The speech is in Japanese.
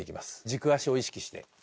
軸足を意識して。